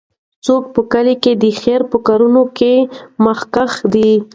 څوک په کلي کې د خیر په کارونو کې مخکښ دی؟